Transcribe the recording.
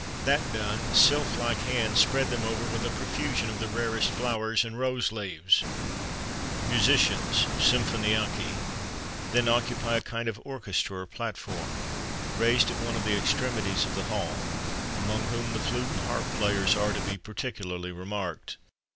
That done, sylph like hands spread them over with a profusion of the rarest flowers and rose leaves.[XXXV 28] Musicians (symphoniaci) then occupy a kind of orchestra or platform, raised at one of the extremities of the hall,[XXXV 29] among whom the flute and harp players are to be particularly remarked.